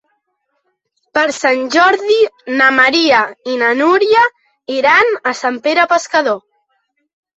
Per Sant Jordi na Maria i na Núria iran a Sant Pere Pescador.